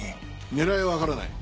狙いはわからない。